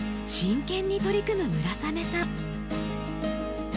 真剣に取り組む村雨さん。